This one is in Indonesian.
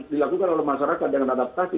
dilakukan oleh masyarakat dengan adaptasi